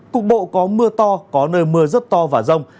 cục bộ có mưa to có nơi mưa rất to và rông